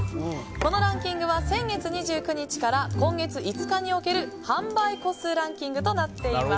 このランキングは先月２９日から今月５日における販売個数ランキングです。